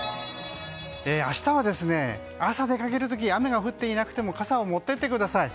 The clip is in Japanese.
明日は朝、出かける時雨が降っていなくても傘を持っていってください。